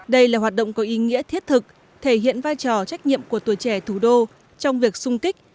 đây là hoạt động có ý nghĩa thiết thực thể hiện vai trò trách nhiệm của tuổi trẻ thủ đô trong việc sung kích